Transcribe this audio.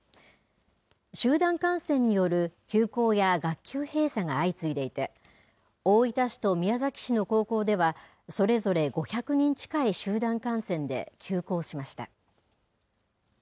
集団感染による休校や学級閉鎖が相次いでいて大分市と宮崎市の高校ではそれぞれ５００人近い集団感染で休校しました。